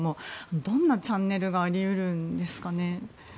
どんなチャンネルがあり得るんですかね。